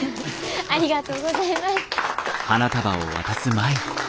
ありがとうございます！